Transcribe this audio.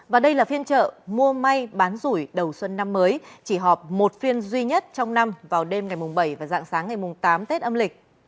và đây là phiên chợ mua may bán rủi đầu xuân năm mới chỉ họp một phiên duy nhất trong năm vào đêm ngày bảy và dạng sáng ngày mùng tám tết âm lịch